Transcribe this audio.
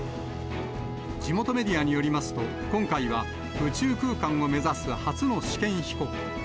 地元メディアによりますと、今回は宇宙空間を目指す初の試験飛行。